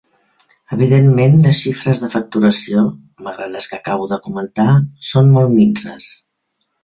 Evidentment, les xifres de facturació –malgrat les que acabo de comentar– són molt minses.